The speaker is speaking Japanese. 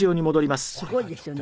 すごいですよね。